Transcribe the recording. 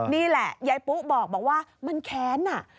นี่แหละยายปุ๊บอกบอกว่ามันแค้นอ่ะ